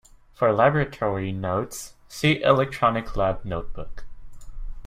For laboratory notes, see Electronic lab notebook.